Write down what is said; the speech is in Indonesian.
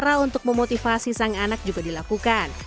cara untuk memotivasi sang anak juga dilakukan